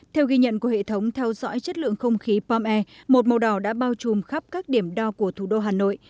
theo ghi nhận của hệ thống theo dõi chất lượng không khí pom air một màu đỏ đã bao trùm khắp các điểm đo của thủ đô hà nội